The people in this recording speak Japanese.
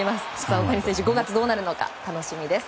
大谷選手５月どうなるのか楽しみです。